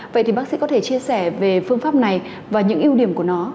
vậy thì bác sĩ có thể chia sẻ về phương pháp này và những ưu điểm của nó